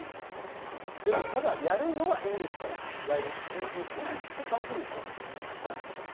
ただ、やるのはいいですから、来月１１日から楽しみですね。